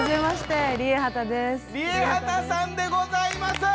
ＲＩＥＨＡＴＡさんでございます。